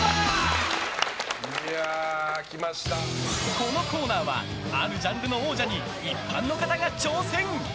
このコーナーはあるジャンルの王者に一般の方が挑戦！